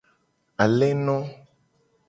Aleno.